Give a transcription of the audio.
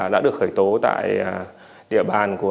đã được khởi tố tại địa bàn